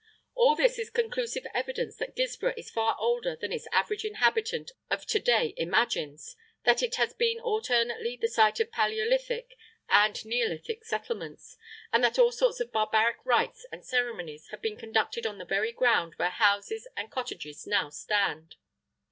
All this is conclusive evidence that Guilsborough is far older than its average inhabitant of to day imagines, that it has been alternately the site of Palaeolithic and Neolithic settlements, and that all sorts of barbaric rites and ceremonies have been conducted on the very ground where houses and cottages now stand.